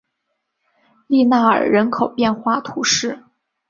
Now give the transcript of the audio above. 利纳尔人口变化图示